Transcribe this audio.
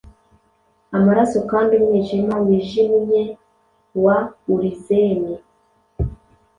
amaraso Kandi umwijima wijimye wa Urizeni